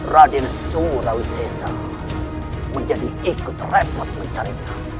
raden surausesa menjadi ikut repot mencarinya